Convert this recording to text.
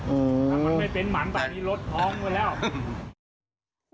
ถ้ามันไม่เป็นหมันตอนนี้รถท้องกันแล้ว